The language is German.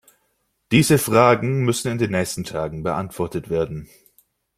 Diese Fragen müssen in den nächsten Tagen beantwortet werden.